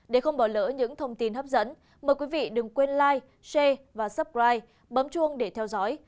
để không bỏ lỡ những thông tin hấp dẫn mời quý vị đừng quên like share và subscribe bấm chuông để theo dõi